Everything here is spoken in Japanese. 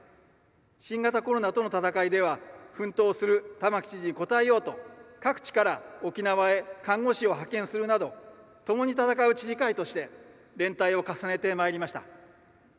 新型コロナとの闘いでは奮闘する玉城知事に応えようと各地から沖縄へ看護師を派遣するなど「共に闘う知事会」として連帯を重ねてまいりました。